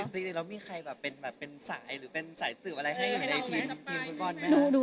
จริงแล้วมีใครเป็นสายหรือเป็นสายสืบอะไรให้ในทีมคุณบ้อน